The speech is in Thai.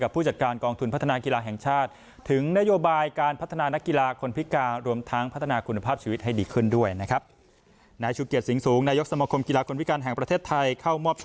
ประกาศไทยในพิมพิธีดวัลของเรา